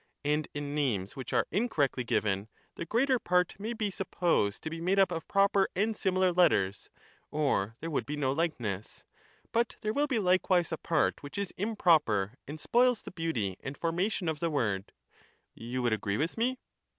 And in names which are incorrectly given, the greater part may be supposed to be made up of proper and similar letters, or there would be no likeness ; but there will be likewise a part which is improper and spoils the beauty and formation of the word : you would agree with me?